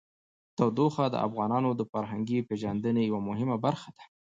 تودوخه د افغانانو د فرهنګي پیژندنې یوه مهمه برخه ده.